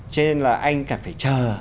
cho nên là anh cả phải chờ